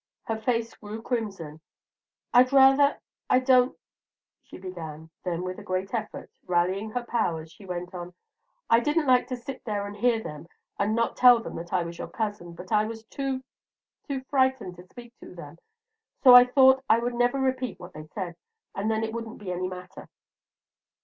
Her face grew crimson. "I'd rather I don't " she began. Then with a great effort, rallying her powers, she went on: "I didn't like to sit there and hear them and not tell them that I was your cousin; but I was too too frightened to speak to them, so I thought I would never repeat what they said, and then it wouldn't be any matter."